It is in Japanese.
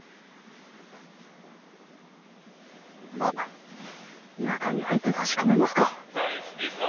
まっ中に入って確かめますか。